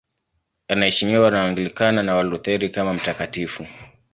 Anaheshimiwa na Waanglikana na Walutheri kama mtakatifu.